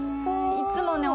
いつもね